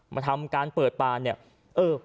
มาทำการเปิดป่าเนี่ยเออ